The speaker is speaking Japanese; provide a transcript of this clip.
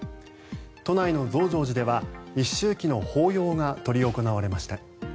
都内の増上寺では一周忌の法要が執り行われました。